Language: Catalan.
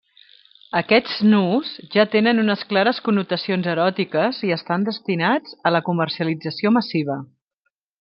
Aquests nus ja tenen unes clares connotacions eròtiques i estan destinats a la comercialització massiva.